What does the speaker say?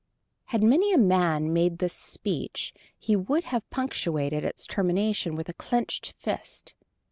Had many a man made this speech he would have punctuated its termination with a clenched fist.